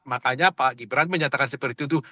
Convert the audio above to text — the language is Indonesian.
makanya pak gibran menyatakan seperti itu